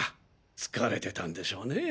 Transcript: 疲れてたんでしょうね。